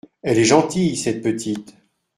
Elle est gentille, cette petite…